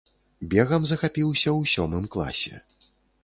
Бегам захапіўся ў сёмым класе.